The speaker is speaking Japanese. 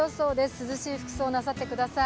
涼しい服装、なさってください。